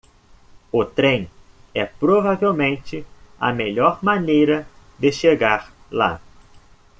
O trem é provavelmente a melhor maneira de chegar lá.